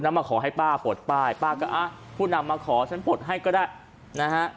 มาขอให้ป้าปลดป้ายป้าก็อ่ะผู้นำมาขอฉันปลดให้ก็ได้นะฮะ